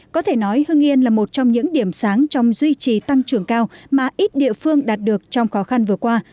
có thể nói hưng yên là một trong những điểm sáng trong duy trì tăng trưởng cao mà ít địa phương đạt được trong khó khăn vừa qua